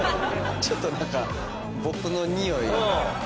ちょっと何か僕のにおい。